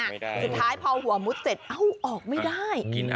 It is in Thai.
สุดท้ายพอหัวมุดเสร็จเอ้าออกไม่ได้